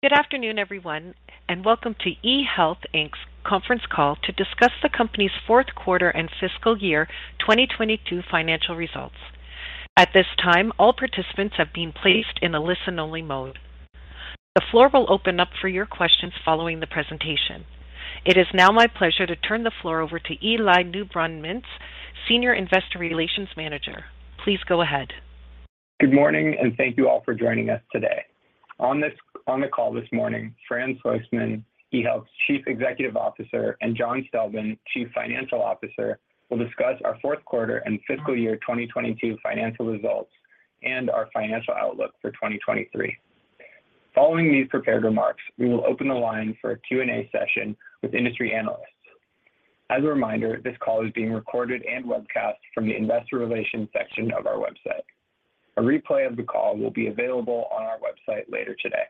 Good afternoon, everyone, and welcome to eHealth, Inc.'s conference call to discuss the company's Q4 and fiscal year 2022 financial results. At this time, all participants have been placed in a listen only mode. The floor will open up for your questions following the presentation. It is now my pleasure to turn the floor over to Eli Newbrun-Mintz, Senior Investor Relations Manager. Please go ahead. Good morning, and thank you all for joining us today. On the call this morning, Fran Soistman, eHealth's Chief Executive Officer, and John Stelben, Chief Financial Officer, will discuss our Q4 and fiscal year 2022 financial results and our financial outlook for 2023. Following these prepared remarks, we will open the line for a Q&A session with industry analysts. As a reminder, this call is being recorded and webcast from the investor relations section of our website. A replay of the call will be available on our website later today.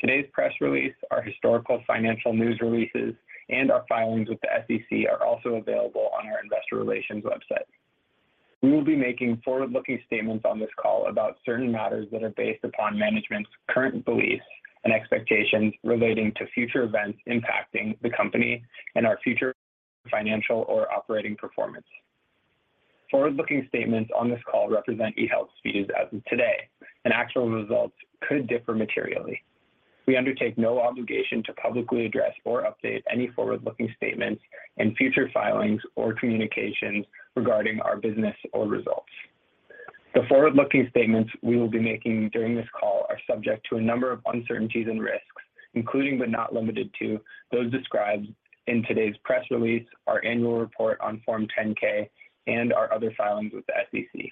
Today's press release, our historical financial news releases, and our filings with the SEC are also available on our investor relations website. We will be making forward-looking statements on this call about certain matters that are based upon management's current beliefs and expectations relating to future events impacting the company and our future financial or operating performance. Forward-looking statements on this call represent eHealth's views as of today, and actual results could differ materially. We undertake no obligation to publicly address or update any forward-looking statements in future filings or communications regarding our business or results. The forward-looking statements we will be making during this call are subject to a number of uncertainties and risks, including but not limited to those described in today's press release, our annual report on Form 10-K, and our other filings with the SEC.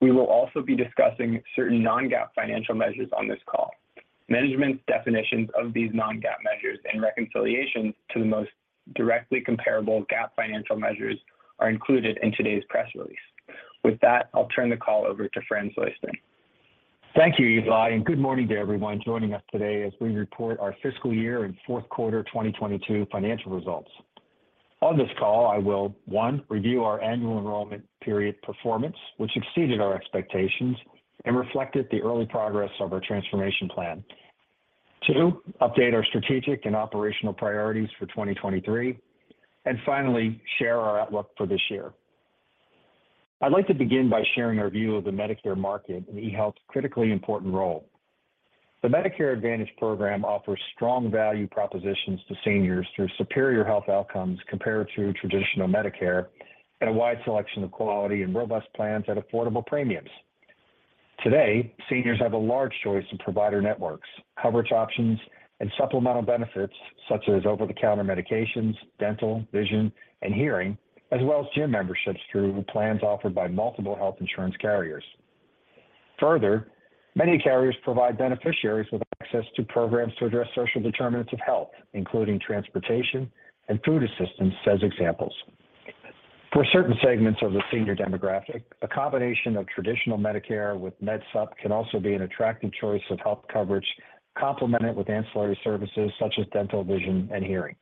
We will also be discussing certain Non-GAAP financial measures on this call. Management's definitions of these Non-GAAP measures and reconciliations to the most directly comparable GAAP financial measures are included in today's press release. With that, I'll turn the call over to Fran Soistman. Thank you, Eli, and good morning to everyone joining us today as we report our fiscal year and Q4 2022 financial results. On this call, I will, one, review our Annual Enrollment Period performance, which exceeded our expectations and reflected the early progress of our transformation plan. two, update our strategic and operational priorities for 2023. Finally, share our outlook for this year. I'd like to begin by sharing our view of the Medicare market and eHealth's critically important role. The Medicare Advantage program offers strong value propositions to seniors through superior health outcomes compared to traditional Medicare and a wide selection of quality and robust plans at affordable premiums. Today, seniors have a large choice of provider networks, coverage options, and supplemental benefits such as over-the-counter medications, dental, vision, and hearing, as well as gym memberships through plans offered by multiple health insurance carriers. Further, many carriers provide beneficiaries with access to programs to address social determinants of health, including transportation and food assistance, as examples. For certain segments of the senior demographic, a combination of traditional Medicare with MedSup can also be an attractive choice of health coverage, complemented with ancillary services such as dental, vision, and hearing.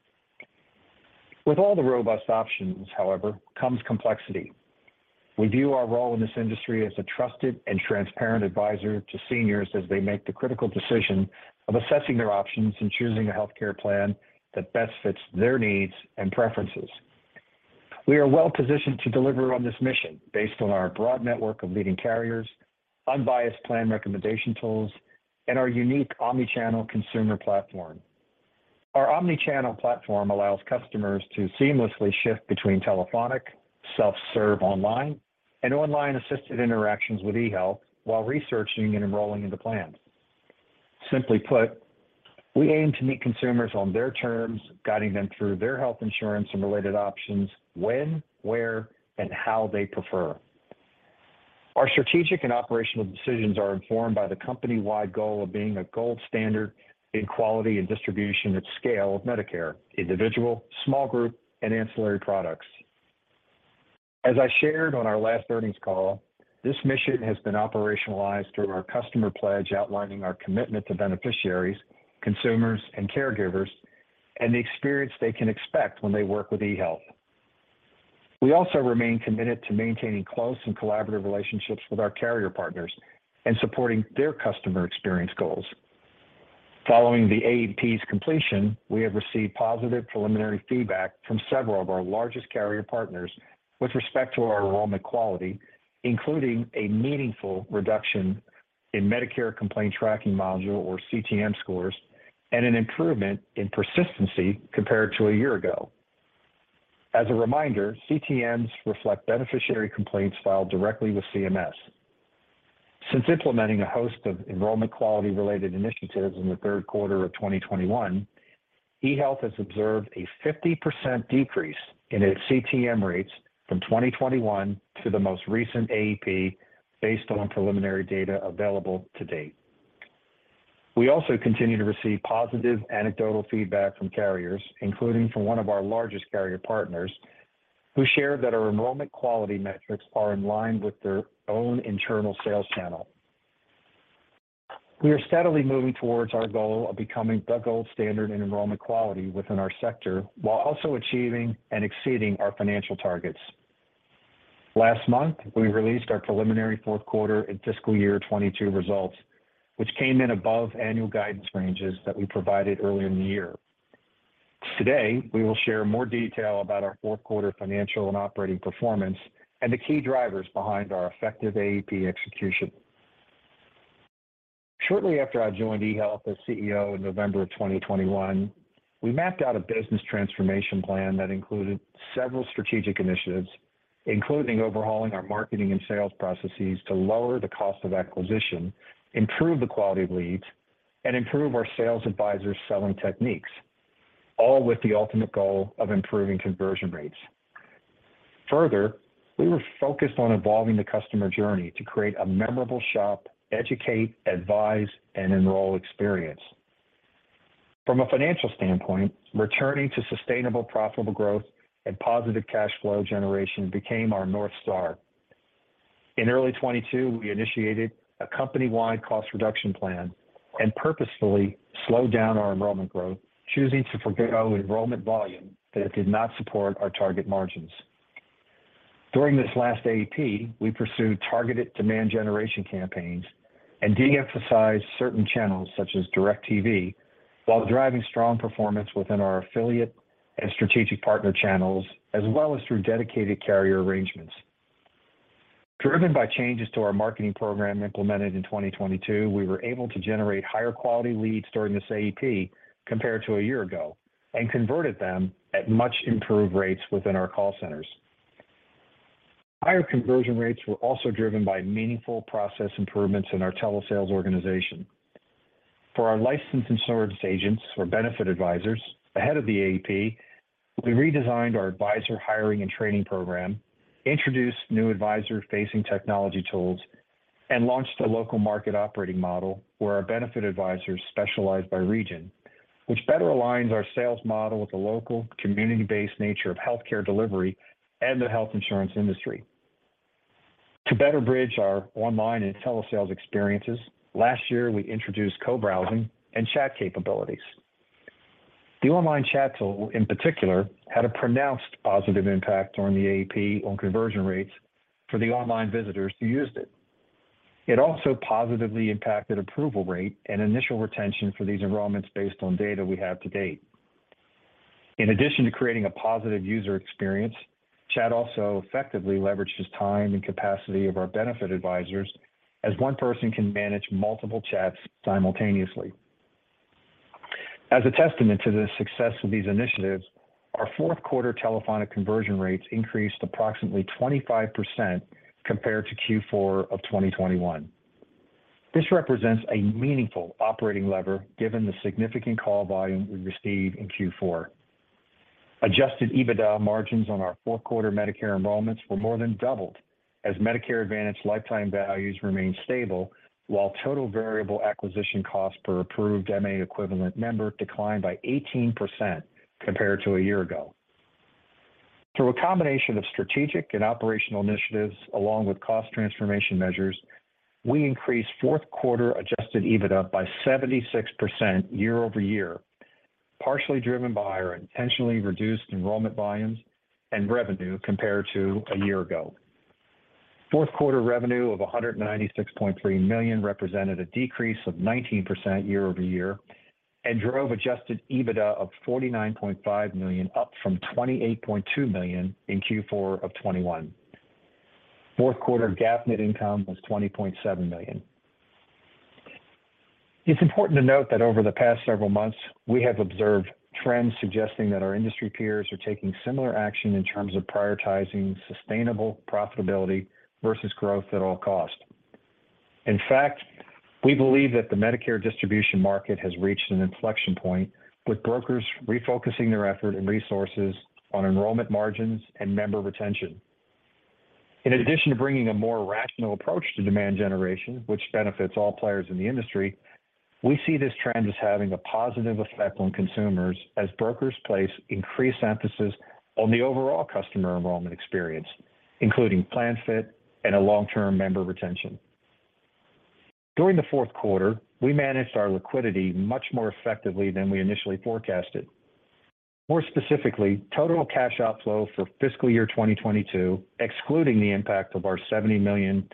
With all the robust options, however, comes complexity. We view our role in this industry as a trusted and transparent advisor to seniors as they make the critical decision of assessing their options and choosing a healthcare plan that best fits their needs and preferences. We are well positioned to deliver on this mission based on our broad network of leading carriers, unbiased plan recommendation tools, and our unique omni-channel consumer platform. Our omni-channel platform allows customers to seamlessly shift between telephonic, self-serve online, and online assisted interactions with eHealth while researching and enrolling in the plan. Simply put, we aim to meet consumers on their terms, guiding them through their health insurance and related options when, where, and how they prefer. Our strategic and operational decisions are informed by the company-wide goal of being a gold standard in quality and distribution at scale of Medicare, individual, small group, and ancillary products. As I shared on our last earnings call, this mission has been operationalized through our customer pledge outlining our commitment to beneficiaries, consumers, and caregivers, and the experience they can expect when they work with eHealth. We also remain committed to maintaining close and collaborative relationships with our carrier partners and supporting their customer experience goals. Following the AEP's completion, we have received positive preliminary feedback from several of our largest carrier partners with respect to our enrollment quality, including a meaningful reduction in Medicare Complaint Tracking Module, or CTM scores, and an improvement in persistency compared to a year ago. As a reminder, CTMs reflect beneficiary complaints filed directly with CMS. Since implementing a host of enrollment quality related initiatives in the Q3 of 2021, eHealth has observed a 50% decrease in its CTM rates from 2021 to the most recent AEP based on preliminary data available to date. We also continue to receive positive anecdotal feedback from carriers, including from one of our largest carrier partners, who share that our enrollment quality metrics are in line with their own internal sales channel. We are steadily moving towards our goal of becoming the gold standard in enrollment quality within our sector while also achieving and exceeding our financial targets. Last month, we released our preliminary Q4 and fiscal year 2022 results, which came in above annual guidance ranges that we provided earlier in the year. Today, we will share more detail about our Q4 financial and operating performance and the key drivers behind our effective AEP execution. Shortly after I joined eHealth as CEO in November of 2021, we mapped out a business transformation plan that included several strategic initiatives, including overhauling our marketing and sales processes to lower the cost of acquisition, improve the quality of leads, and improve our sales advisors' selling techniques, all with the ultimate goal of improving conversion rates. Further, we were focused on evolving the customer journey to create a memorable shop, educate, advise, and enroll experience. From a financial standpoint, returning to sustainable profitable growth and positive cash flow generation became our North Star. In early 2022, we initiated a company-wide cost reduction plan and purposefully slowed down our enrollment growth, choosing to forego enrollment volume that did not support our target margins. During this last AEP, we pursued targeted demand generation campaigns and de-emphasized certain channels, such as DIRECTV, while driving strong performance within our affiliate and strategic partner channels, as well as through dedicated carrier arrangements. Driven by changes to our marketing program implemented in 2022, we were able to generate higher quality leads during this AEP compared to a year ago and converted them at much improved rates within our call centers. Higher conversion rates were also driven by meaningful process improvements in our telesales organization. For our licensed insurance agents or benefit advisors, ahead of the AEP, we redesigned our advisor hiring and training program, introduced new advisor-facing technology tools, and launched a local market operating model where our benefit advisors specialize by region, which better aligns our sales model with the local community-based nature of healthcare delivery and the health insurance industry. To better bridge our online and telesales experiences, last year we introduced co-browsing and chat capabilities. The online chat tool, in particular, had a pronounced positive impact on the AEP on conversion rates for the online visitors who used it. It also positively impacted approval rate and initial retention for these enrollments based on data we have to date. In addition to creating a positive user experience, chat also effectively leverages time and capacity of our benefit advisors as one person can manage multiple chats simultaneously. As a testament to the success of these initiatives, our Q4 telephonic conversion rates increased approximately 25% compared to Q4 of 2021. This represents a meaningful operating lever given the significant call volume we received in Q4. Adjusted EBITDA margins on our Q4 Medicare enrollments were more than doubled as Medicare Advantage lifetime values remained stable while total variable acquisition costs per approved MA equivalent member declined by 18% compared to a year ago. Through a combination of strategic and operational initiatives along with cost transformation measures, we increased Q4 Adjusted EBITDA by 76% year-over-year, partially driven by our intentionally reduced enrollment volumes and revenue compared to a year ago. Q4 revenue of $196.3 million represented a decrease of 19% year-over-year and drove Adjusted EBITDA of $49.5 million, up from $28.2 million in Q4 of 2021. Q4 GAAP net income was $20.7 million. It's important to note that over the past several months, we have observed trends suggesting that our industry peers are taking similar action in terms of prioritizing sustainable profitability versus growth at all costs. In fact, we believe that the Medicare distribution market has reached an inflection point with brokers refocusing their effort and resources on enrollment margins and member retention. In addition to bringing a more rational approach to demand generation, which benefits all players in the industry, we see this trend as having a positive effect on consumers as brokers place increased emphasis on the overall customer enrollment experience, including plan fit and a long-term member retention. During the Q4, we managed our liquidity much more effectively than we initially forecasted. More specifically, total cash outflow for fiscal year 2022, excluding the impact of our $70 million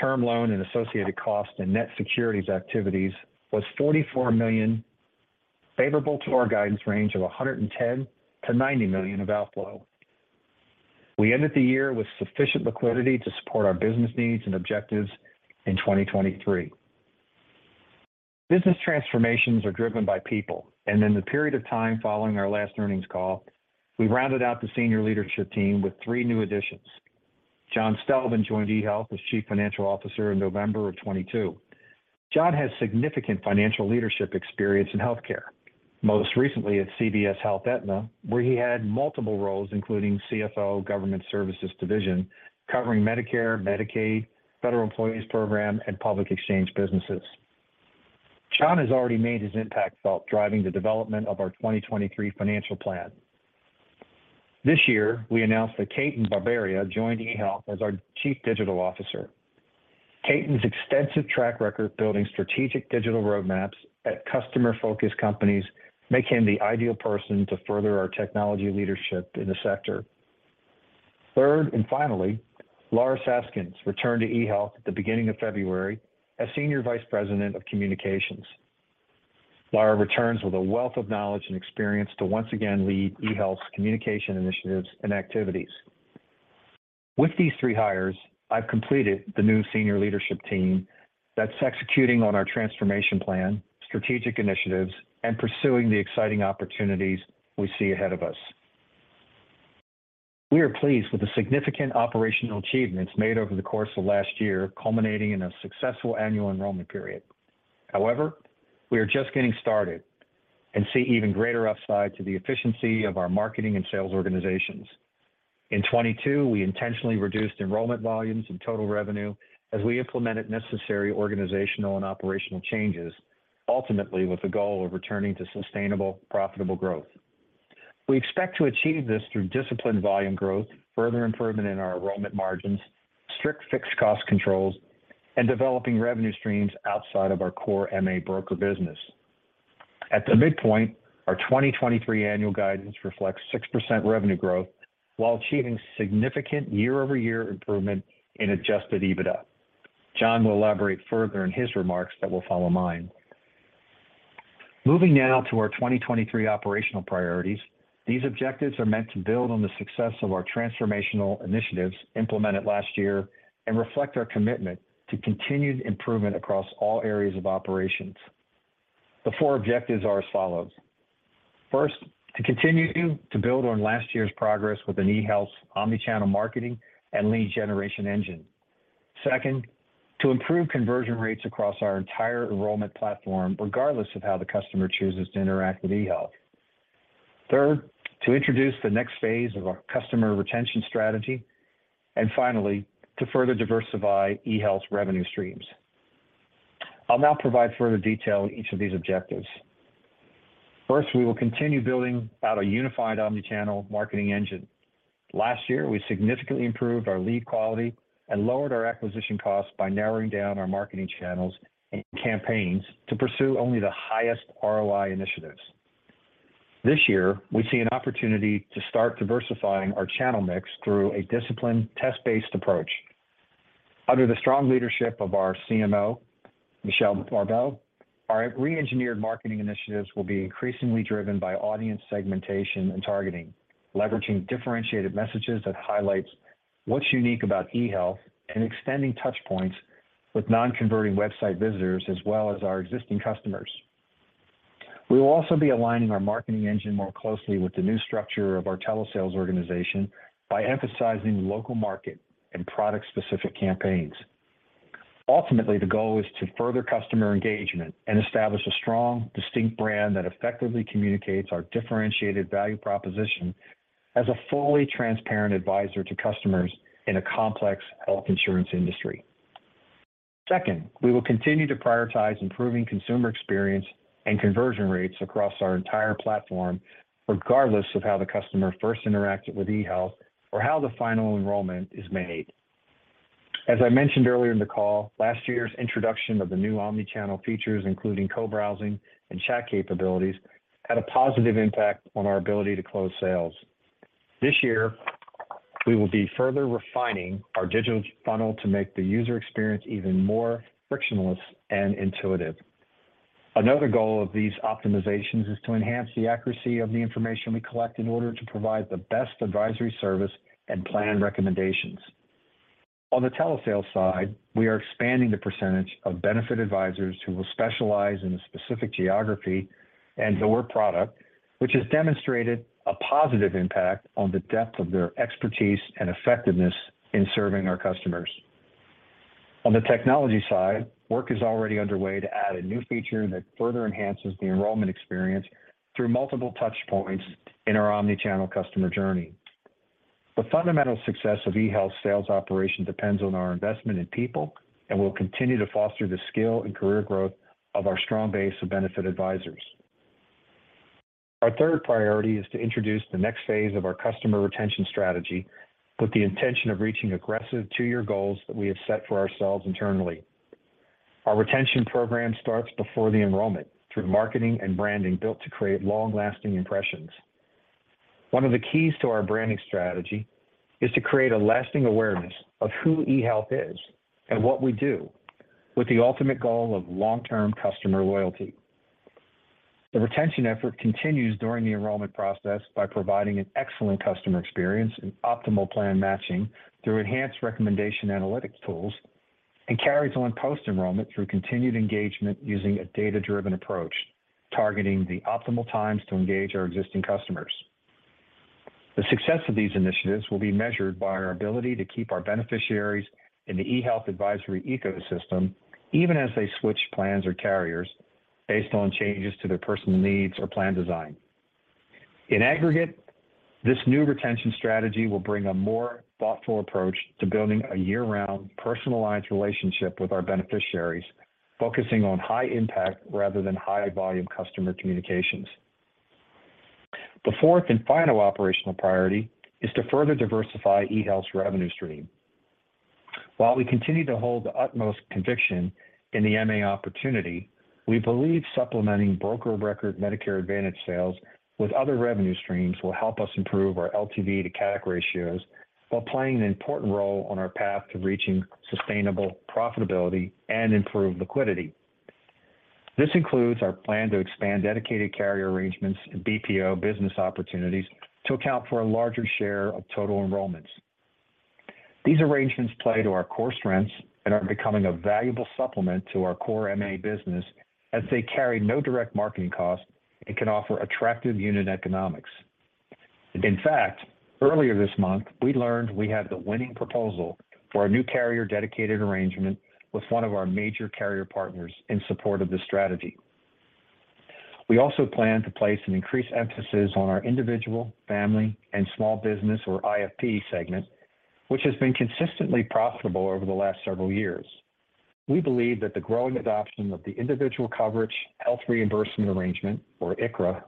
term loan and associated costs and net securities activities, was $44 million favorable to our guidance range of $110 million-$90 million of outflow. We ended the year with sufficient liquidity to support our business needs and objectives in 2023. Business transformations are driven by people, and in the period of time following our last earnings call, we rounded out the senior leadership team with three new additions. John Stelben joined eHealth as Chief Financial Officer in November of 2022. John has significant financial leadership experience in healthcare, most recently at CVS Health Aetna, where he had multiple roles, including CFO, Government Business Division, covering Medicare, Medicaid, Federal Employees Program, and public exchange businesses. John has already made his impact felt driving the development of our 2023 financial plan. This year, we announced that Ketan Babaria joined eHealth as our Chief Digital Officer. Ketan's extensive track record building strategic digital roadmaps at customer-focused companies make him the ideal person to further our technology leadership in the sector. Third and finally, Lara Sasken returned to eHealth at the beginning of February as Senior Vice President of Communications. Lara returns with a wealth of knowledge and experience to once again lead eHealth's communication initiatives and activities. With these three hires, I've completed the new senior leadership team that's executing on our transformation plan, strategic initiatives, and pursuing the exciting opportunities we see ahead of us. We are pleased with the significant operational achievements made over the course of last year, culminating in a successful Annual Enrollment Period. We are just getting started and see even greater upside to the efficiency of our marketing and sales organizations. In 2022, we intentionally reduced enrollment volumes and total revenue as we implemented necessary organizational and operational changes, ultimately with the goal of returning to sustainable, profitable growth. We expect to achieve this through disciplined volume growth, further improvement in our enrollment margins, strict fixed cost controls, and developing revenue streams outside of our core MA broker business. At the midpoint, our 2023 annual guidance reflects 6% revenue growth while achieving significant year-over-year improvement in Adjusted EBITDA. John will elaborate further in his remarks that will follow mine. Moving now to our 2023 operational priorities. These objectives are meant to build on the success of our transformational initiatives implemented last year and reflect our commitment to continued improvement across all areas of operations. The four objectives are as follows. First, to continue to build on last year's progress with an eHealth omni-channel marketing and lead generation engine. Second, to improve conversion rates across our entire enrollment platform, regardless of how the customer chooses to interact with eHealth. Third, to introduce the next phase of our customer retention strategy. Finally, to further diversify eHealth's revenue streams. I'll now provide further detail on each of these objectives. First, we will continue building out a unified omni-channel marketing engine. Last year, we significantly improved our lead quality and lowered our acquisition costs by narrowing down our marketing channels and campaigns to pursue only the highest ROI initiatives. This year, we see an opportunity to start diversifying our channel mix through a disciplined test-based approach. Under the strong leadership of our CMO, Michelle Barbeau, our reengineered marketing initiatives will be increasingly driven by audience segmentation and targeting, leveraging differentiated messages that highlights what's unique about eHealth and extending touch points with non-converting website visitors as well as our existing customers. We will also be aligning our marketing engine more closely with the new structure of our telesales organization by emphasizing local market and product-specific campaigns. Ultimately, the goal is to further customer engagement and establish a strong, distinct brand that effectively communicates our differentiated value proposition as a fully transparent advisor to customers in a complex health insurance industry. Second, we will continue to prioritize improving consumer experience and conversion rates across our entire platform, regardless of how the customer first interacted with eHealth or how the final enrollment is made. As I mentioned earlier in the call, last year's introduction of the new omni-channel features, including co-browsing and chat capabilities, had a positive impact on our ability to close sales. This year, we will be further refining our digital funnel to make the user experience even more frictionless and intuitive. Another goal of these optimizations is to enhance the accuracy of the information we collect in order to provide the best advisory service and plan recommendations. On the telesales side, we are expanding the percentage of benefit advisors who will specialize in a specific geography and door product, which has demonstrated a positive impact on the depth of their expertise and effectiveness in serving our customers. On the technology side, work is already underway to add a new feature that further enhances the enrollment experience through multiple touch points in our omni-channel customer journey. The fundamental success of eHealth's sales operation depends on our investment in people. We'll continue to foster the skill and career growth of our strong base of benefit advisors. Our third priority is to introduce the next phase of our customer retention strategy with the intention of reaching aggressive two-year goals that we have set for ourselves internally. Our retention program starts before the enrollment through marketing and branding built to create long-lasting impressions. One of the keys to our branding strategy is to create a lasting awareness of who eHealth is and what we do with the ultimate goal of long-term customer loyalty. The retention effort continues during the enrollment process by providing an excellent customer experience and optimal plan matching through enhanced recommendation analytics tools, and carries on post-enrollment through continued engagement using a data-driven approach, targeting the optimal times to engage our existing customers. The success of these initiatives will be measured by our ability to keep our beneficiaries in the eHealth advisory ecosystem, even as they switch plans or carriers based on changes to their personal needs or plan design. In aggregate, this new retention strategy will bring a more thoughtful approach to building a year-round, personalized relationship with our beneficiaries, focusing on high impact rather than high volume customer communications. The fourth and final operational priority is to further diversify eHealth's revenue stream. While we continue to hold the utmost conviction in the MA opportunity, we believe supplementing broker of record Medicare Advantage sales with other revenue streams will help us improve our LTV to CAC ratios while playing an important role on our path to reaching sustainable profitability and improved liquidity. This includes our plan to expand dedicated carrier arrangements and BPO business opportunities to account for a larger share of total enrollments. These arrangements play to our core strengths and are becoming a valuable supplement to our core MA business as they carry no direct marketing costs and can offer attractive unit economics. In fact, earlier this month, we learned we had the winning proposal for a new carrier-dedicated arrangement with one of our major carrier partners in support of this strategy. We also plan to place an increased emphasis on our individual, family, and small business or IFP segment, which has been consistently profitable over the last several years. We believe that the growing adoption of the Individual Coverage Health Reimbursement Arrangement, or ICHRA,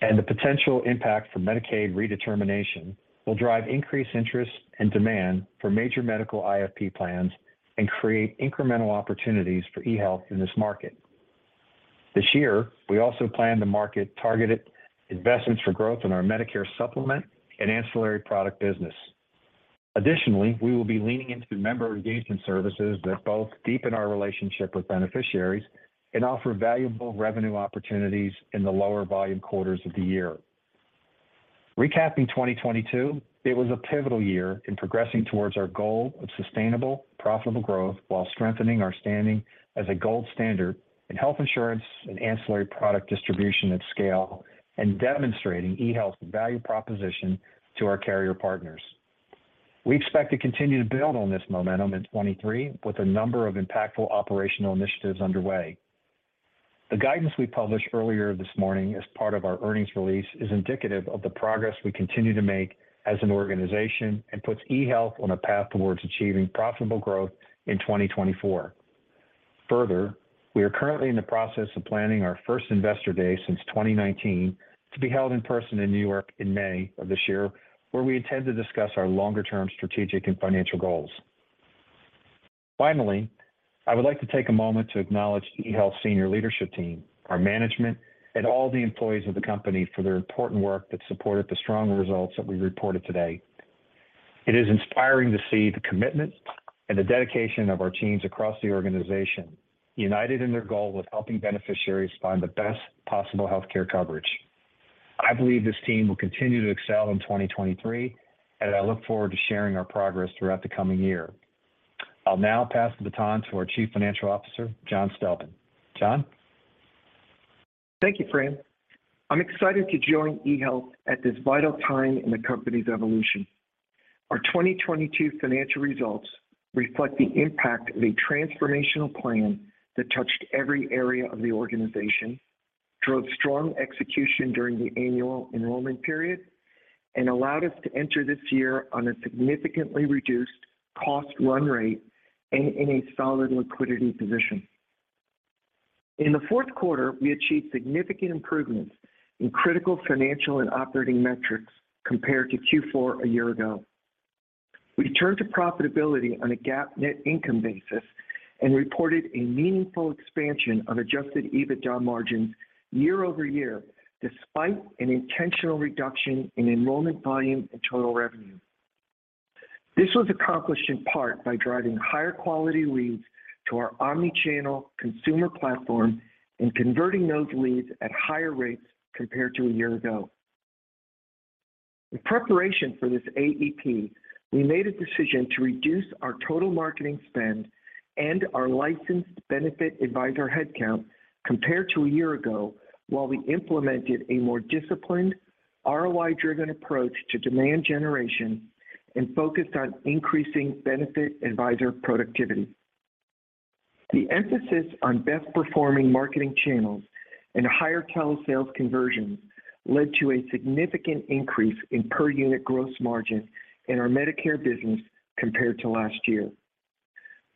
and the potential impact from Medicaid redetermination will drive increased interest and demand for major medical IFP plans and create incremental opportunities for eHealth in this market. This year, we also plan to market targeted investments for growth in our Medicare Supplement and ancillary product business. We will be leaning into the member engagement services that both deepen our relationship with beneficiaries and offer valuable revenue opportunities in the lower volume quarters of the year. Recapping 2022, it was a pivotal year in progressing towards our goal of sustainable, profitable growth while strengthening our standing as a gold standard in health insurance and ancillary product distribution at scale and demonstrating eHealth's value proposition to our carrier partners. We expect to continue to build on this momentum in 2023 with a number of impactful operational initiatives underway. The guidance we published earlier this morning as part of our earnings release is indicative of the progress we continue to make as an organization and puts eHealth on a path towards achieving profitable growth in 2024. We are currently in the process of planning our first investor day since 2019 to be held in person in New York in May of this year, where we intend to discuss our longer-term strategic and financial goals. Finally, I would like to take a moment to acknowledge eHealth's senior leadership team, our management, and all the employees of the company for their important work that supported the strong results that we reported today. It is inspiring to see the commitment and the dedication of our teams across the organization, united in their goal of helping beneficiaries find the best possible healthcare coverage. I believe this team will continue to excel in 2023. I look forward to sharing our progress throughout the coming year. I'll now pass the baton to our Chief Financial Officer, John Stelben. John? Thank you, Fran. I'm excited to join eHealth at this vital time in the company's evolution. Our 2022 financial results reflect the impact of a transformational plan that touched every area of the organization, drove strong execution during the Annual Enrollment Period, allowed us to enter this year on a significantly reduced cost run rate and in a solid liquidity position. In the Q4, we achieved significant improvements in critical financial and operating metrics compared to Q4 a year ago. We turned to profitability on a GAAP net income basis, reported a meaningful expansion of Adjusted EBITDA margins year-over-year, despite an intentional reduction in enrollment volume and total revenue. This was accomplished in part by driving higher quality leads to our omni-channel consumer platform and converting those leads at higher rates compared to a year ago. In preparation for this AEP, we made a decision to reduce our total marketing spend and our licensed benefit advisor headcount compared to a year ago, while we implemented a more disciplined ROI-driven approach to demand generation and focused on increasing benefit advisor productivity. The emphasis on best performing marketing channels and higher telesales conversions led to a significant increase in per unit gross margin in our Medicare business compared to last year.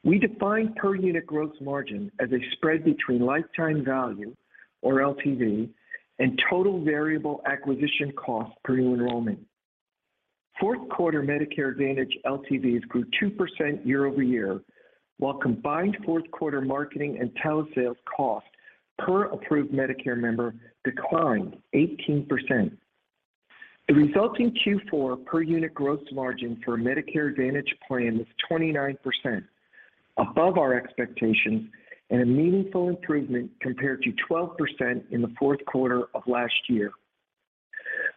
We define per unit gross margin as a spread between lifetime value, or LTV, and total variable acquisition cost per new enrollment. Q4 Medicare Advantage LTVs grew 2% year-over-year, while combined Q4 marketing and telesales costs per approved Medicare member declined 18%. The resulting Q4 per unit gross margin for a Medicare Advantage plan was 29%, above our expectations and a meaningful improvement compared to 12% in the Q4 of last year.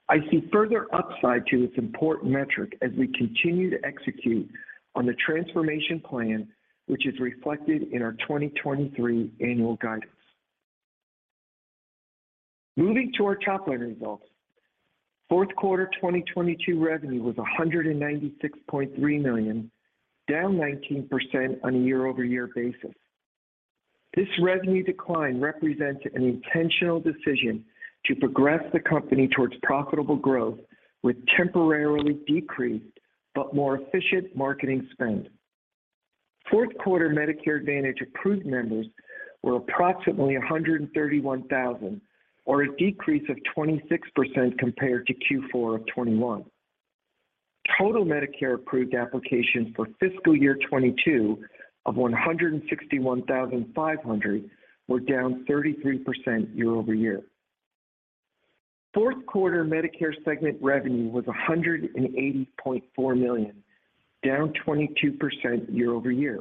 I see further upside to this important metric as we continue to execute on the transformation plan, which is reflected in our 2023 annual guidance. Moving to our top-line results. Q4 2022 revenue was $196.3 million, down 19% on a year-over-year basis. This revenue decline represents an intentional decision to progress the company towards profitable growth with temporarily decreased but more efficient marketing spend. Q4 Medicare Advantage approved members were approximately 131,000, or a decrease of 26% compared to Q4 of 2021. Total Medicare approved applications for fiscal year 2022 of 161,500 were down 33% year-over-year. Q4 Medicare segment revenue was $180.4 million, down 22% year-over-year.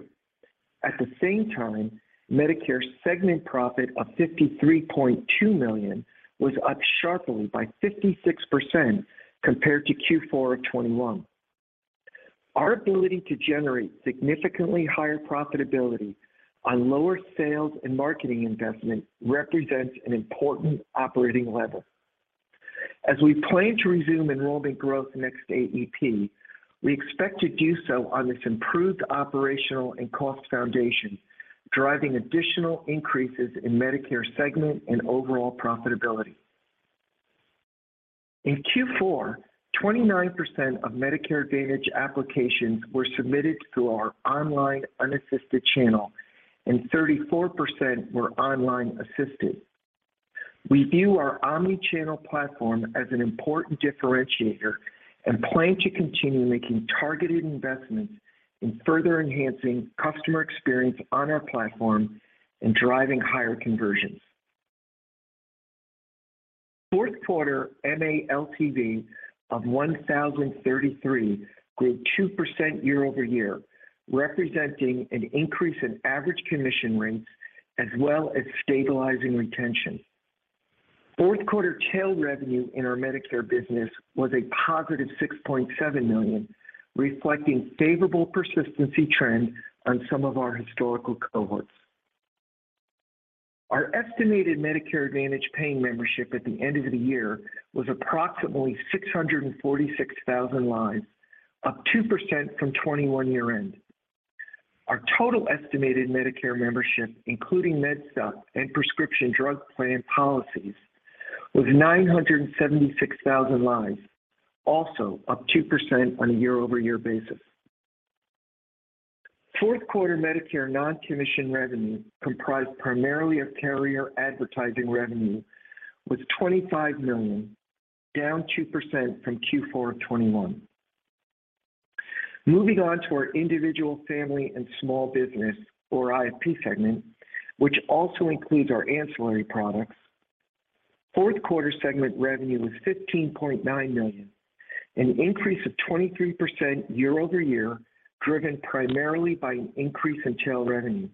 At the same time, Medicare segment profit of $53.2 million was up sharply by 56% compared to Q4 of 2021. Our ability to generate significantly higher profitability on lower sales and marketing investment represents an important operating level. As we plan to resume enrollment growth next AEP, we expect to do so on this improved operational and cost foundation, driving additional increases in Medicare segment and overall profitability. In Q4, 29% of Medicare Advantage applications were submitted through our online unassisted channel, and 34% were online assisted. We view our omni-channel platform as an important differentiator and plan to continue making targeted investments in further enhancing customer experience on our platform and driving higher conversions. Q4 MA LTV of 1,033 grew 2% year-over-year, representing an increase in average commission rates as well as stabilizing retention. Q4 tail revenue in our Medicare business was a positive $6.7 million, reflecting favorable persistency trends on some of our historical cohorts. Our estimated Medicare Advantage paying membership at the end of the year was approximately 646,000 lives, up 2% from 2021 year end. Our total estimated Medicare membership, including Medigap and prescription drug plan policies, was 976,000 lives, also up 2% on a year-over-year basis. Q4 Medicare non-commission revenue, comprised primarily of carrier advertising revenue, was $25 million, down 2% from Q4 of 2021. Moving on to our individual, family and small business, or IFP segment, which also includes our ancillary products. Q4 segment revenue was $15.9 million, an increase of 23% year-over-year, driven primarily by an increase in tail revenue.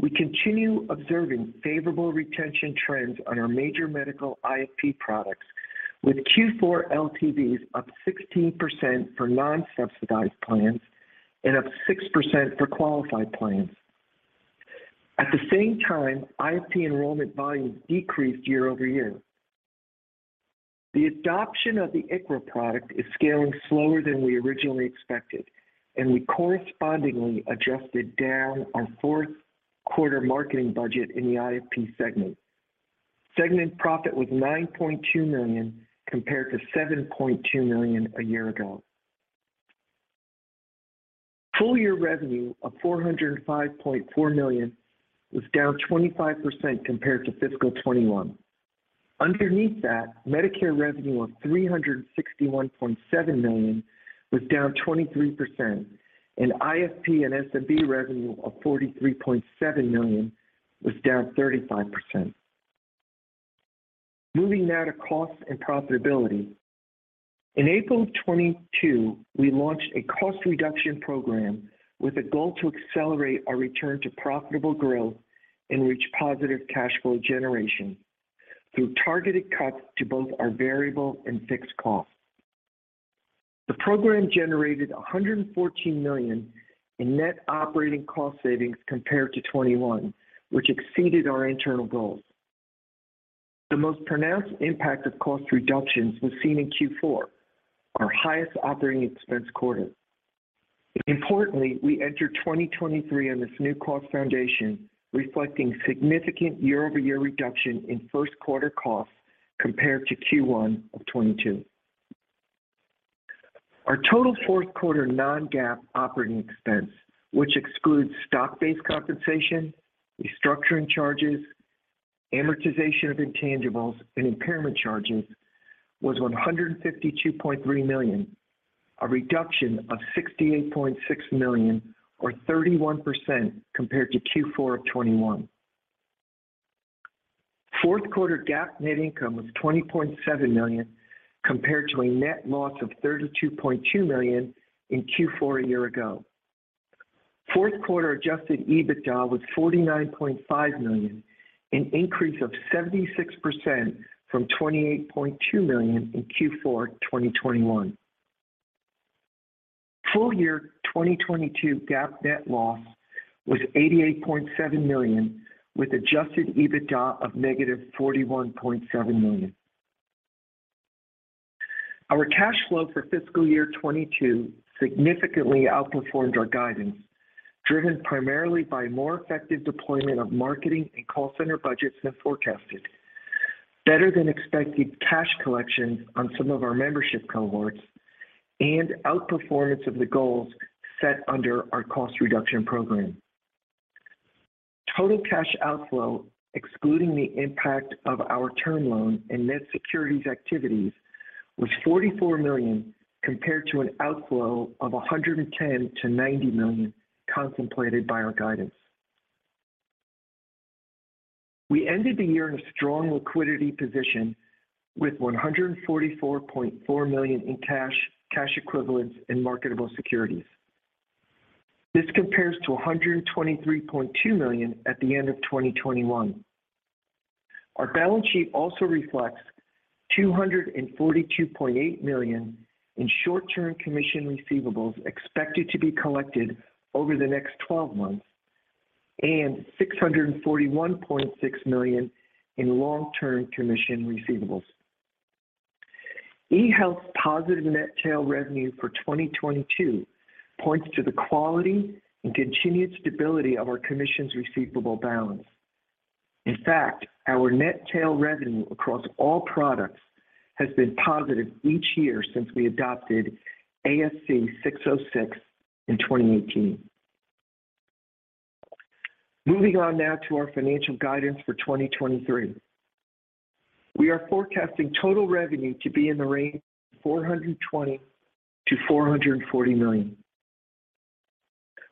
We continue observing favorable retention trends on our major medical IFP products, with Q4 LTVs up 16% for non-subsidized plans and up 6% for qualified plans. At the same time, IFP enrollment volumes decreased year-over-year. The adoption of the ICHRA product is scaling slower than we originally expected. We correspondingly adjusted down our Q4 marketing budget in the IFP segment. Segment profit was $9.2 million compared to $7.2 million a year ago. Full year revenue of $405.4 million was down 25% compared to fiscal 2021. Underneath that, Medicare revenue of $361.7 million was down 23%. IFP and SMB revenue of $43.7 million was down 35%. Moving now to costs and profitability. In April of 2022, we launched a cost reduction program with a goal to accelerate our return to profitable growth and reach positive cash flow generation through targeted cuts to both our variable and fixed costs. The program generated $114 million in net operating cost savings compared to 2021, which exceeded our internal goals. The most pronounced impact of cost reductions was seen in Q4, our highest operating expense quarter. Importantly, we entered 2023 on this new cost foundation, reflecting significant year-over-year reduction in Q1 costs compared to Q1 2022. Our total Q4 Non-GAAP operating expense, which excludes stock-based compensation, restructuring charges, amortization of intangibles, and impairment charges, was $152.3 million, a reduction of $68.6 million, or 31% compared to Q4 2021. Q4 GAAP net income was $20.7 million, compared to a net loss of $32.2 million in Q4 a year ago. Q4 Adjusted EBITDA was $49.5 million, an increase of 76% from $28.2 million in Q4 2021. Full year 2022 GAAP net loss was $88.7 million, with Adjusted EBITDA of negative $41.7 million. Our cash flow for fiscal year 2022 significantly outperformed our guidance, driven primarily by more effective deployment of marketing and call center budgets than forecasted. Better than expected cash collections on some of our membership cohorts and outperformance of the goals set under our cost reduction program. Total cash outflow, excluding the impact of our term loan and net securities activities, was $44 million, compared to an outflow of $110 million-$90 million contemplated by our guidance. We ended the year in a strong liquidity position with $144.4 million in cash equivalents, and marketable securities. This compares to $123.2 million at the end of 2021. Our balance sheet also reflects $242.8 million in short-term commission receivables expected to be collected over the next 12 months and $641.6 million in long-term commission receivables. eHealth's positive net tail revenue for 2022 points to the quality and continued stability of our commission's receivable balance. In fact, our net tail revenue across all products has been positive each year since we adopted ASC 606 in 2018. Moving on now to our financial guidance for 2023. We are forecasting total revenue to be in the range of $420 million-$440 million.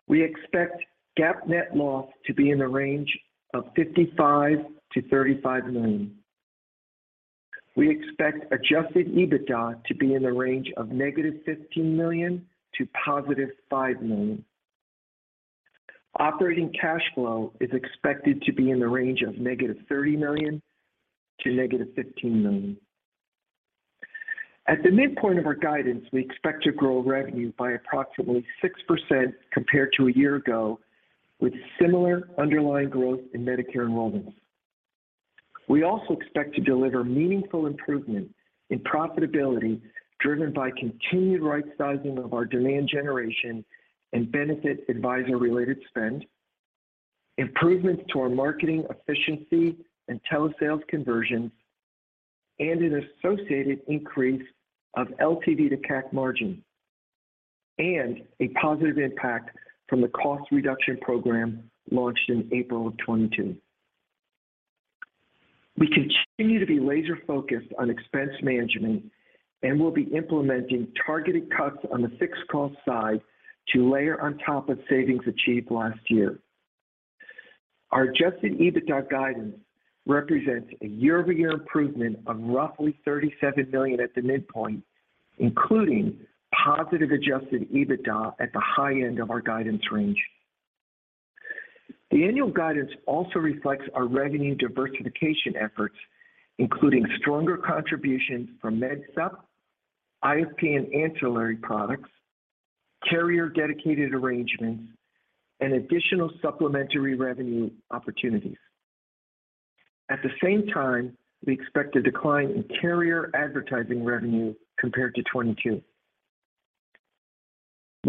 We expect GAAP net loss to be in the range of $55 million-$35 million. We expect Adjusted EBITDA to be in the range of negative $15 million to positive $5 million. Operating cash flow is expected to be in the range of -$30 million to -$15 million. At the midpoint of our guidance, we expect to grow revenue by approximately 6% compared to a year ago, with similar underlying growth in Medicare enrollments. We also expect to deliver meaningful improvement in profitability driven by continued right sizing of our demand generation and benefit advisor-related spend, improvements to our marketing efficiency and telesales conversions, and an associated increase of LTV to CAC margin, and a positive impact from the cost reduction program launched in April of 2022. We continue to be laser-focused on expense management and will be implementing targeted cuts on the fixed cost side to layer on top of savings achieved last year. Our Adjusted EBITDA guidance represents a year-over-year improvement of roughly $37 million at the midpoint, including positive Adjusted EBITDA at the high end of our guidance range. The annual guidance also reflects our revenue diversification efforts, including stronger contributions from MedSup, IFP and ancillary products, carrier-dedicated arrangements, and additional supplementary revenue opportunities. We expect a decline in carrier advertising revenue compared to 2022.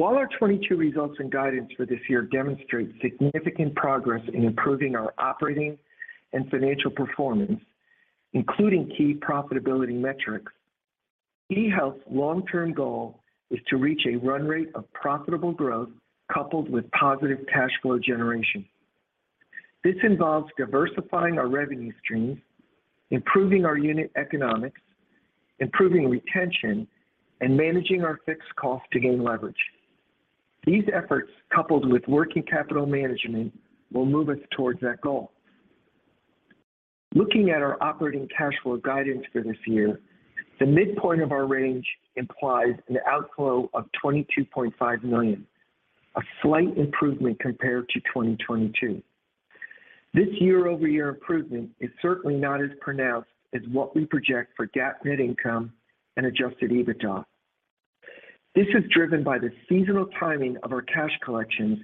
Our 2022 results and guidance for this year demonstrate significant progress in improving our operating and financial performance, including key profitability metrics, eHealth's long-term goal is to reach a run rate of profitable growth coupled with positive cash flow generation. This involves diversifying our revenue streams, improving our unit economics, improving retention, and managing our fixed cost to gain leverage. These efforts, coupled with working capital management, will move us towards that goal. Looking at our operating cash flow guidance for this year, the midpoint of our range implies an outflow of $22.5 million, a slight improvement compared to 2022. This year-over-year improvement is certainly not as pronounced as what we project for GAAP net income and Adjusted EBITDA. This is driven by the seasonal timing of our cash collections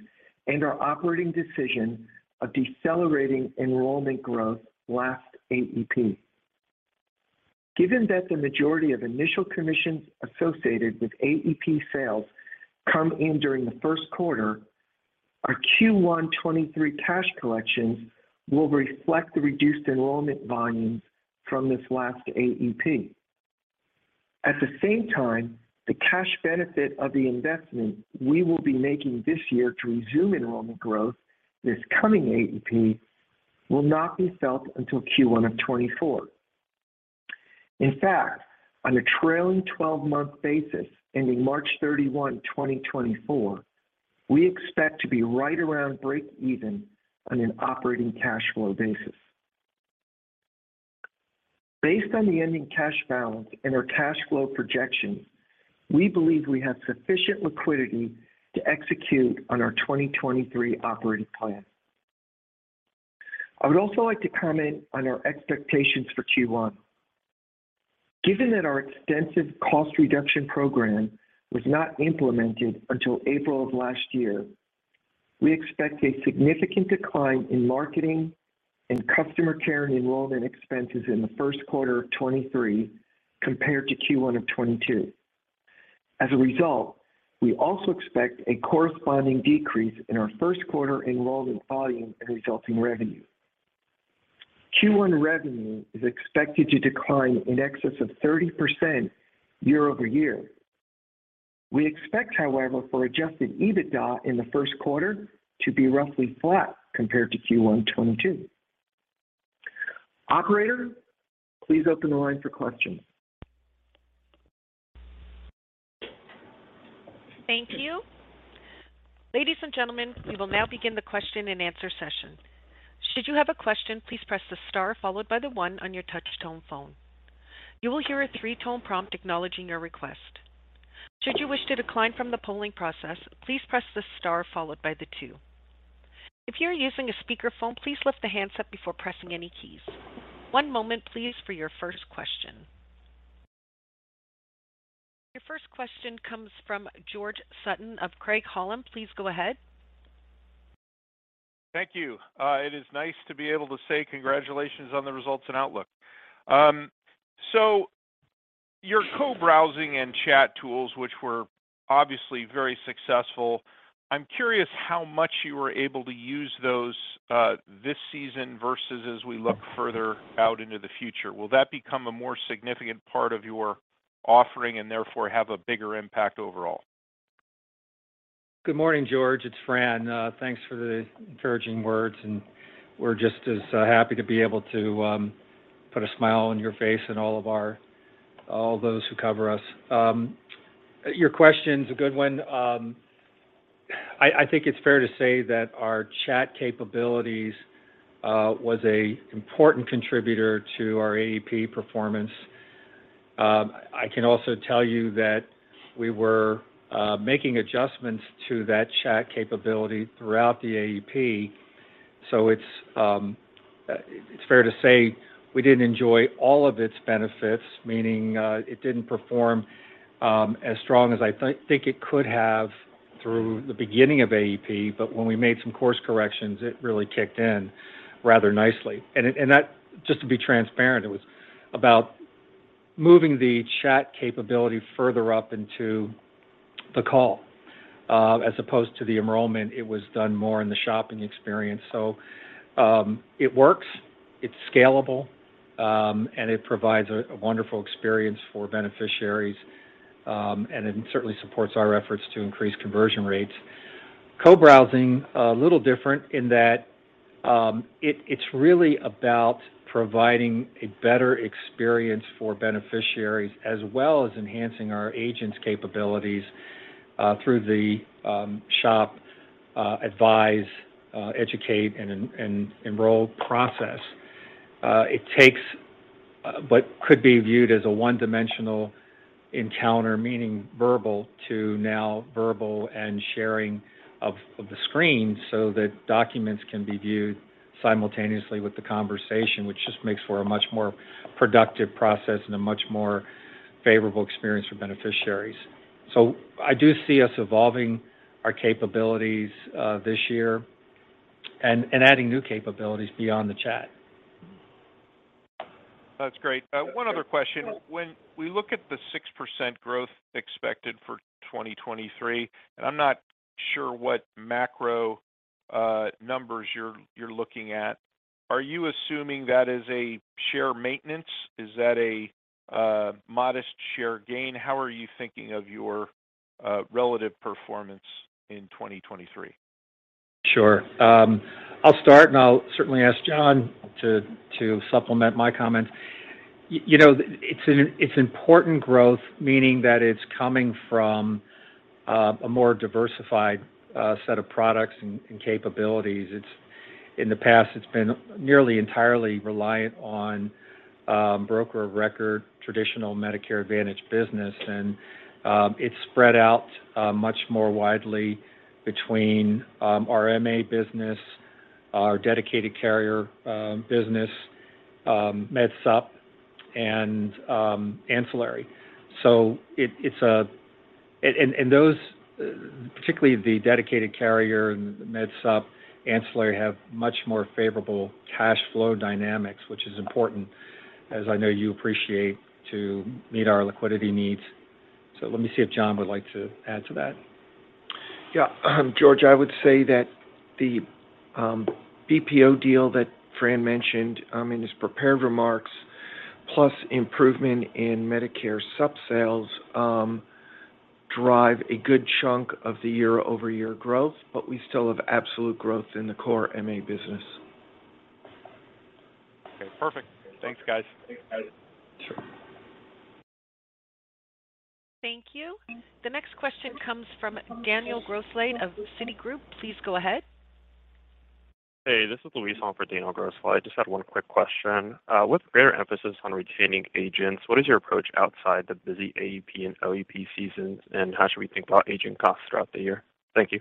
and our operating decision of decelerating enrollment growth last AEP. Given that the majority of initial commissions associated with AEP sales come in during the Q1, our Q1 2023 cash collections will reflect the reduced enrollment volumes from this last AEP. At the same time, the cash benefit of the investment we will be making this year to resume enrollment growth this coming AEP will not be felt until Q1 2024. In fact, on a trailing 12-month basis ending March 31, 2024, we expect to be right around breakeven on an operating cash flow basis. Based on the ending cash balance and our cash flow projections, we believe we have sufficient liquidity to execute on our 2023 operating plan. I would also like to comment on our expectations for Q1. Given that our extensive cost reduction program was not implemented until April of last year, we expect a significant decline in marketing and customer care and enrollment expenses in the Q1 of 2023 compared to Q1 of 2022. We also expect a corresponding decrease in our Q1 enrollment volume and resulting revenue. Q1 revenue is expected to decline in excess of 30% year-over-year. We expect, however, for Adjusted EBITDA in the Q1 to be roughly flat compared to Q1 2022. Operator, please open the line for questions. Thank you. Ladies and gentlemen, we will now begin the question-and-answer session. Should you have a question, please press the star followed by the one on your touch tone phone. You will hear a 3-tone prompt acknowledging your request. Should you wish to decline from the polling process, please press the star followed by the two. If you are using a speakerphone, please lift the handset before pressing any keys. 1 moment please for your first question. Your first question comes from George Sutton of Craig-Hallum. Please go ahead. Thank you. It is nice to be able to say congratulations on the results and outlook. Your co-browsing and chat tools, which were obviously very successful, I'm curious how much you were able to use those this season versus as we look further out into the future. Will that become a more significant part of your offering and therefore have a bigger impact overall? Good morning, George. It's Fran. Thanks for the encouraging words. We're just as happy to be able to put a smile on your face and all those who cover us. Your question's a good one. I think it's fair to say that our chat capabilities, was a important contributor to our AEP performance. I can also tell you that we were making adjustments to that chat capability throughout the AEP, so it's it's fair to say we didn't enjoy all of its benefits, meaning, it didn't perform, as strong as I think it could have through the beginning of AEP. When we made some course corrections, it really kicked in rather nicely. That, just to be transparent, it was about moving the chat capability further up into the call, as opposed to the enrollment, it was done more in the shopping experience. It works, it's scalable, and it provides a wonderful experience for beneficiaries, and it certainly supports our efforts to increase conversion rates. Co-browsing, a little different in that, it's really about providing a better experience for beneficiaries as well as enhancing our agents' capabilities, through the shop, advise, educate, and enroll process. It takes what could be viewed as a one-dimensional encounter, meaning verbal, to now verbal and sharing of the screen so that documents can be viewed simultaneously with the conversation, which just makes for a much more productive process and a much more favorable experience for beneficiaries. I do see us evolving our capabilities, this year and adding new capabilities beyond the chat. That's great. One other question. When we look at the 6% growth expected for 2023, I'm not sure what macro numbers you're looking at, are you assuming that is a share maintenance? Is that a modest share gain? How are you thinking of your relative performance in 2023? Sure. I'll start, and I'll certainly ask John to supplement my comment. You know, it's an important growth, meaning that it's coming from a more diversified set of products and capabilities. In the past, it's been nearly entirely reliant on broker of record, traditional Medicare Advantage business. It's spread out much more widely between our MA business, our dedicated carrier business, Medicare Supplement, and ancillary. And those, particularly the dedicated carrier and Medicare Supplement, ancillary have much more favorable cash flow dynamics, which is important, as I know you appreciate, to meet our liquidity needs. Let me see if John would like to add to that. George, I would say that the BPO deal that Fran mentioned in his prepared remarks, plus improvement in Medicare sub-sales, drive a good chunk of the year-over-year growth. We still have absolute growth in the core MA business. Okay, perfect. Thanks, guys. Sure. Thank you. The next question comes from Daniel Grosslight of Citigroup. Please go ahead. Hey, this is Luis on for Daniel Grosslight. I just had one quick question. With greater emphasis on retaining agents, what is your approach outside the busy AEP and OEP seasons? How should we think about agent costs throughout the year? Thank you.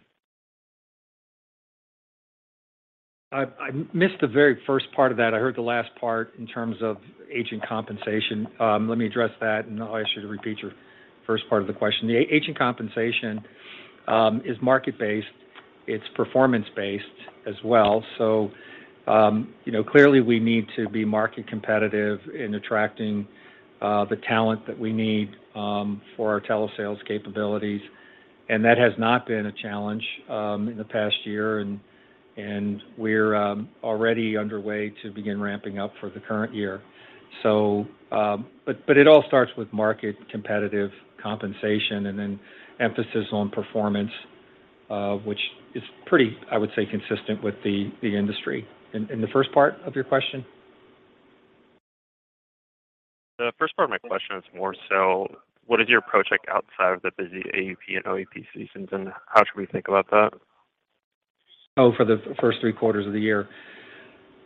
I missed the very first part of that. I heard the last part in terms of agent compensation. Let me address that, and I'll ask you to repeat your first part of the question. The agent compensation is market-based. It's performance-based as well. You know, clearly we need to be market competitive in attracting the talent that we need for our telesales capabilities. That has not been a challenge in the past year, and we're already underway to begin ramping up for the current year. But it all starts with market competitive compensation and then emphasis on performance, which is pretty, I would say, consistent with the industry. The first part of your question? The first part of my question is more so what is your project outside of the busy AEP and OEP seasons, and how should we think about that? For the first three quarters of the year.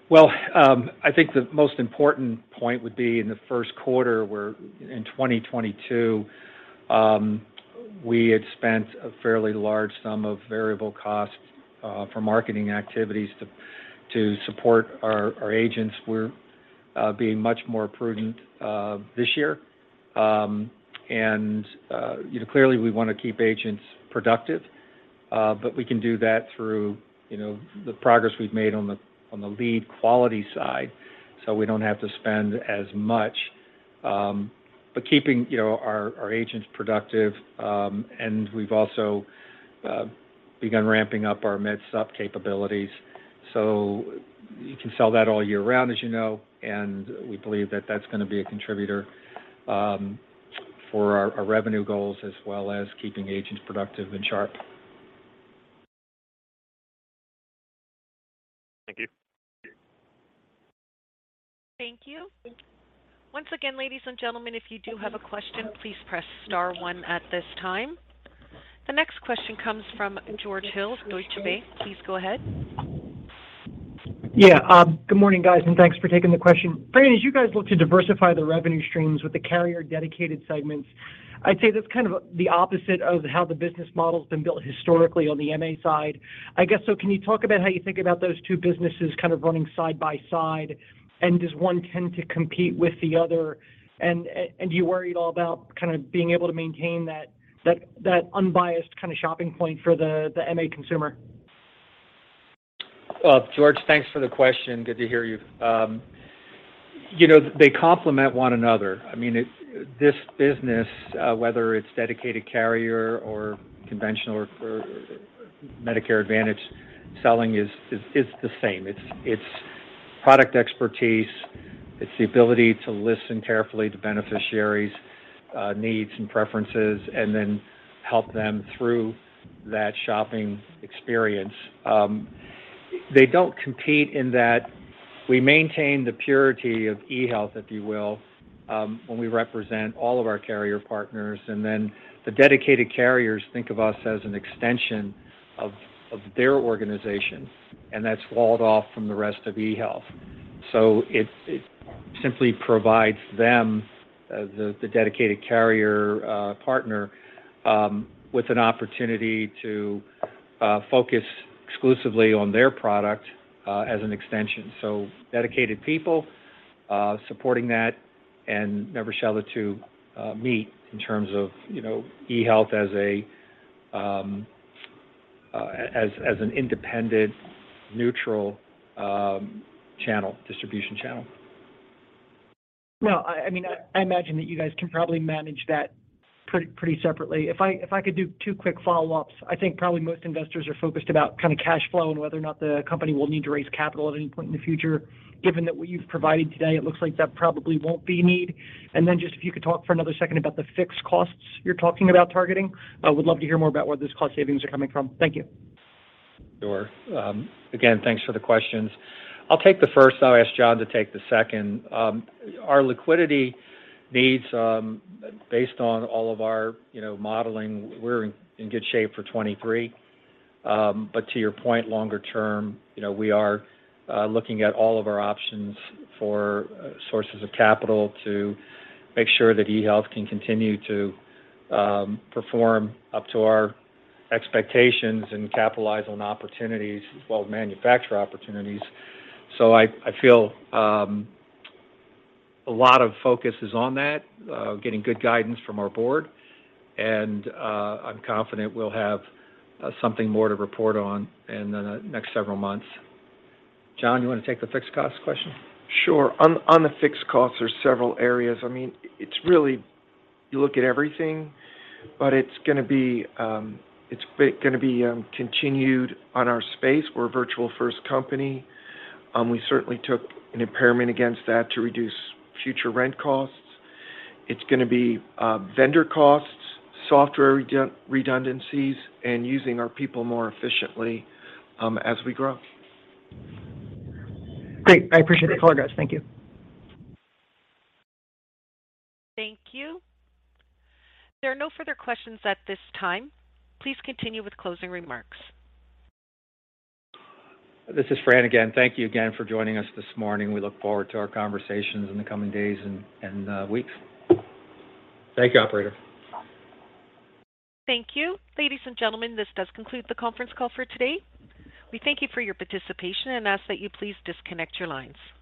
Well, I think the most important point would be in the Q1, where in 2022, we had spent a fairly large sum of variable costs for marketing activities to support our agents. We're being much more prudent this year. Clearly, you know, we wanna keep agents productive, but we can do that through, you know, the progress we've made on the lead quality side, so we don't have to spend as much. Keeping, you know, our agents productive, and we've also begun ramping up our Medicare Supplement capabilities. You can sell that all year round, as you know, and we believe that that's gonna be a contributor for our revenue goals as well as keeping agents productive and sharp. Thank you. Thank you. Once again, ladies and gentlemen, if you do have a question, please press star one at this time. The next question comes from George Hill, Deutsche Bank. Please go ahead. Good morning, guys, thanks for taking the question. Fran, as you guys look to diversify the revenue streams with the carrier-dedicated segments, I'd say that's kind of the opposite of how the business model's been built historically on the MA side. I guess, can you talk about how you think about those two businesses kind of running side by side? Does one tend to compete with the other? You worried all about kind of being able to maintain that unbiased kind of shopping point for the MA consumer? Well, George, thanks for the question. Good to hear you. You know, they complement one another. I mean, this business, whether it's dedicated carrier or conventional or for Medicare Advantage selling is the same. It's product expertise, it's the ability to listen carefully to beneficiaries' needs and preferences, and then help them through that shopping experience. They don't compete in that we maintain the purity of eHealth, if you will, when we represent all of our carrier partners, and then the dedicated carriers think of us as an extension of their organization, and that's walled off from the rest of eHealth. It simply provides them the dedicated carrier partner with an opportunity to focus exclusively on their product as an extension. Dedicated people, supporting that and never shall the two meet in terms of, you know, eHealth as an independent neutral channel, distribution channel. No, I mean, I imagine that you guys can probably manage that pretty separately. If I could do two quick follow-ups. I think probably most investors are focused about kind of cash flow and whether or not the company will need to raise capital at any point in the future. Given that what you've provided today, it looks like that probably won't be a need. Just if you could talk for another second about the fixed costs you're talking about targeting. I would love to hear more about where those cost savings are coming from. Thank you. Sure. Again, thanks for the questions. I'll take the first, then I'll ask John to take the second. Our liquidity needs, based on all of our, you know, modeling, we're in good shape for 2023. But to your point, longer term, you know, we are looking at all of our options for sources of capital to make sure that eHealth can continue to perform up to our expectations and capitalize on opportunities, as well as manufacture opportunities. I feel a lot of focus is on that, getting good guidance from our board, and I'm confident we'll have something more to report on in the next several months. John, you wanna take the fixed cost question? Sure. On the fixed costs, there's several areas. I mean, it's really, you look at everything, but it's gonna be, it's gonna be continued on our space. We're a virtual first company. We certainly took an impairment against that to reduce future rent costs. It's gonna be vendor costs, software redundancies, and using our people more efficiently as we grow. Great. I appreciate the color, guys. Thank you. Thank you. There are no further questions at this time. Please continue with closing remarks. This is Fran again. Thank you again for joining us this morning. We look forward to our conversations in the coming days and weeks. Thank you, operator. Thank you. Ladies and gentlemen, this does conclude the conference call for today. We thank you for your participation and ask that you please disconnect your lines.